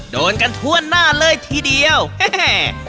โดนกันทั่วหน้าเลยทีเดียวแม่